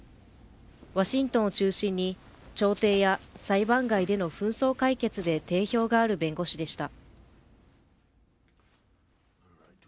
ワシントンを中心に調停や裁判外での紛争解決で定評がある弁護士でした。